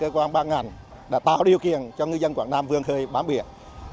các cơ quan bàn ngàn đã tạo điều kiện cho ngư dân quảng nam vươn khơi bám biển